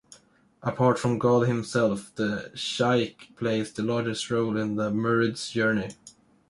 Apart from God himself, the "shaikh" plays the largest role in the "murid's" journey.